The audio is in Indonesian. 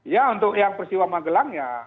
ya untuk yang peristiwa magelang ya